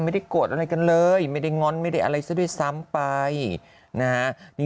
ไม่ได้โกรธอะไรกันเลยไม่ได้ง้อนไม่ได้อะไรซะด้วยซ้ำไปนะฮะ